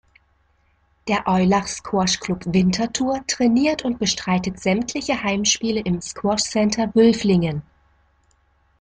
Der Eulach Squash-Club Winterthur trainiert und bestreitet sämtliche Heimspiele im Squash Center Wülflingen.